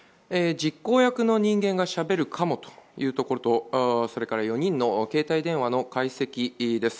実行役の人間がしゃべるかもというところとそれから４人の携帯電話の解析です。